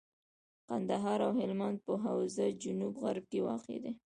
کندهار او هلمند په حوزه جنوب غرب کي واقع دي.